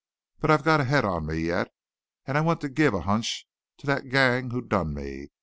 But I've got a head on me yet, an' I want to give a hunch to thet gang who done me.